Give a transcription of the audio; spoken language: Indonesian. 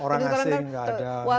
orang asing gak ada